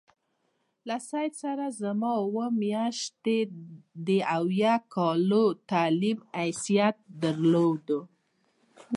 له سید سره زما اووه میاشتې د اویا کالو تعلیم حیثیت درلود.